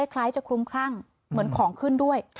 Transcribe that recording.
คล้ายจะคลุมคลั่งเหมือนของขึ้นด้วย